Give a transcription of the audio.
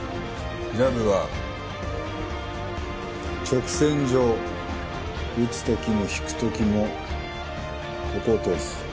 ジャブは直線上打つ時も引く時もここを通す。